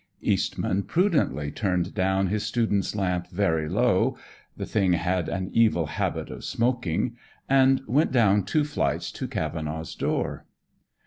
Eastman prudently turned down his student's lamp very low the thing had an evil habit of smoking and went down two flights to Cavenaugh's door.